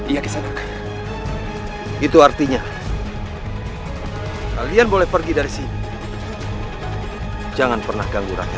iya kesana itu artinya kalian boleh pergi dari sini jangan pernah ganggu rakyat